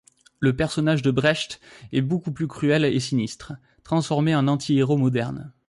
Le personnage de Brecht est beaucoup plus cruel et sinistre, transformé en antihéros moderne.